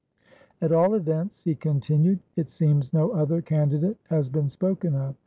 "At all events," he continued, "it seems no other candidate has been spoken of.